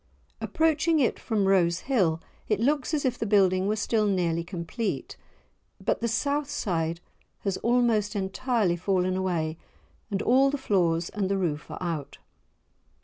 Approaching it from Rose Hill, it looks as if the building were still nearly complete, but the south side has almost entirely fallen away and all the floors and the roof are out.